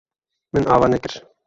Min ava nekir.